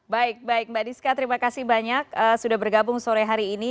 baik baik mbak diska terima kasih banyak sudah bergabung sore hari ini